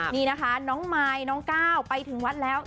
นี่นะคะน้องมายน้องก้าวไปถึงวัดแล้ว